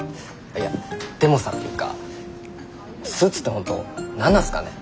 いやでもさっていうかスーツって本当何なんすかね？